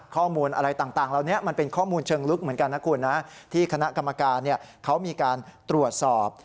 ข้อมูลอะไรต่างเหล่านี้มันเป็นข้อมูลเชิงลึกเหมือนกันนะคุณนะที่คณะกรรมการเขามีการตรวจสอบ